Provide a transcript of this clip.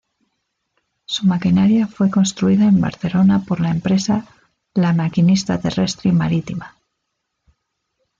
Su maquinaria fue construida en Barcelona por la empresa "La Maquinista Terrestre y Marítima".